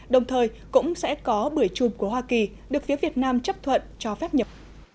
đồng thời cũng sẽ có bưởi chùm của hoa kỳ được phía việt nam chấp thuận cho phép nhập